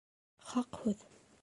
Хаҡ һүҙ.